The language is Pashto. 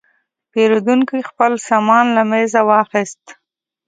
پیرودونکی خپل سامان له میز نه واخیست.